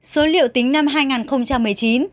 số liệu tính năm hai nghìn một mươi chín